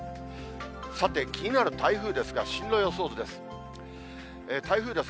さて、気になる台風ですが、進路予想図です。